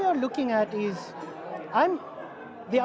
tujuan terakhir bagi saya adalah